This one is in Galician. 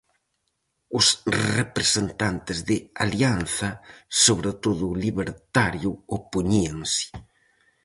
Os representantes de Alianza, sobre todo o libertario, opoñíanse.